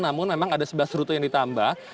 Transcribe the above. namun memang ada sebelas rute yang ditambah